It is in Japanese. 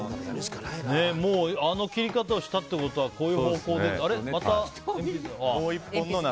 あの切り方をしたってことはそういう方向で。